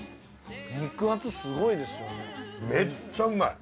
肉厚すごいですよね。